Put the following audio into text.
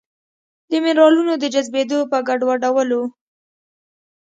د مېنرالونو د جذبېدو په ګډوډولو